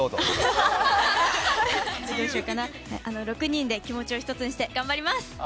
６人で気持ちを一つにして頑張ります！